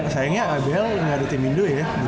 sayangnya abel ga ada tim indo ya